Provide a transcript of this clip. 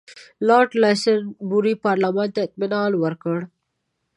لارډ سالیزبوري پارلمان ته اطمینان ورکړ.